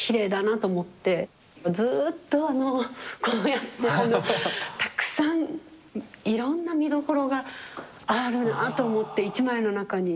ずっとあのこうやってこのたくさんいろんな見どころがあるなと思って一枚の中に。